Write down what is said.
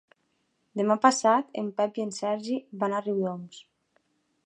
Demà passat en Pep i en Sergi van a Riudoms.